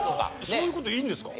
そういう事いいんですか？